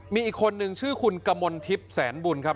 มีอีกคนนึงชื่อคุณกมลทิพย์แสนบุญครับ